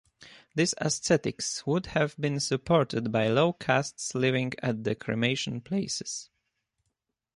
These ascetics would have been supported by low castes living at the cremation places.